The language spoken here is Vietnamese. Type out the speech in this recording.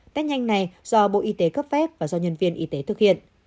test nhanh này do bộ y tế cấp phép và do nhân viên y tế thực hiện